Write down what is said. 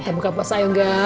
kita buka puasa yuk nga